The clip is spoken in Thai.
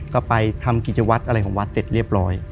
ก็ไปทำกิจวัตรอะไรของวัดเสร็จเรียบร้อย